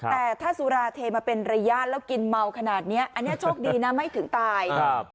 แต่ถ้าสุราเทมาเป็นระยะแล้วกินเมาขนาดนี้อันนี้โชคดีนะไม่ถึงตายครับ